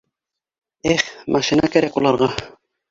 Эх, машина кәрәк уларға!